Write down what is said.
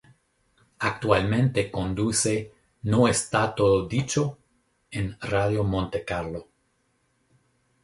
Actualmente conduce "No está todo dicho" en Radio Monte Carlo.